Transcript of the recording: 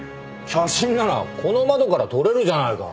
写真ならこの窓から撮れるじゃないか。